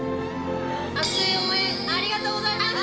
ありがとうございます！